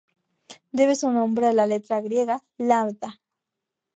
Debe su nombre a la letra griega lambda.